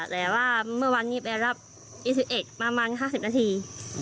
แต่ว่าเมื่อวันนี้ไปรอบ๒๑ประมาณ๕๐นาที